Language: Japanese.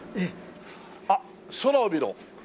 あっ空を見ろ。